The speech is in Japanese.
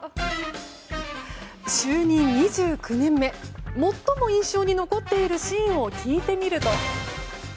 就任２９年目最も印象に残っているシーンを聞いてみると。